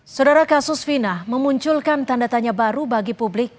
saudara kasus fina memunculkan tanda tanya baru bagi publik